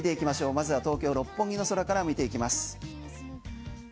まずは東京・六本木の空から見ていきます。